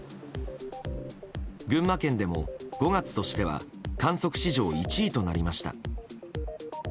群馬県でも、５月としては観測史上１位となりました。